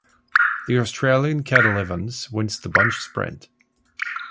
The Australian Cadel Evans wins the bunch sprint.